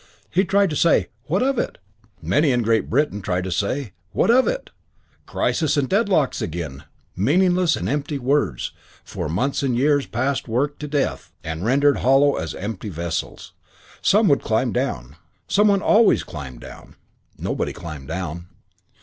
He tried to say, "What of it?" Many in Great Britain tried to say, "What of it?" Crises and deadlocks again! Meaningless and empty words, for months and years past worked to death and rendered hollow as empty vessels. Some one would climb down. Some one always climbed down. Nobody climbed down.